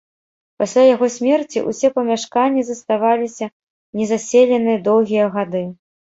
Пасля яго смерці ўсе памяшканні заставаліся незаселены доўгія гады.